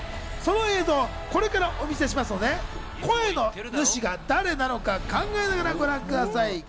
その映像、これからお見せしますので声の主が誰なのか考えながらご覧ください。